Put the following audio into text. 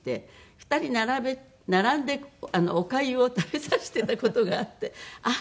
２人並んでおかゆを食べさせていた事があってあっ